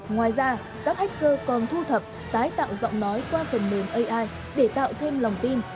ngoài ra các hacker còn thu thập tái tạo giọng nói qua phần mềm ai để tạo thêm lòng tin